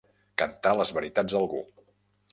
Cantar les veritats a algú.